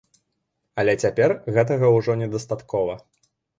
Але цяпер гэтага ўжо недастаткова.